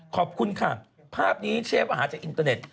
ขอบคุณค่ะภาพนี้เชฟอาหารจากอินเตอร์เน็ต